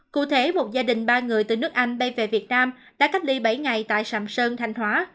cụ thể một gia đình ba người từ nước anh bay về việt nam đã cách ly bảy ngày tại sạm sơn thanh hóa